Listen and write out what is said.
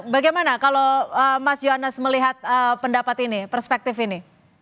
bagaimana kalau mas yohanes melihat pendapat ini perspektif ini